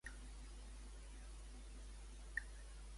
La novel·la serà pacífica, si no li canvia el company?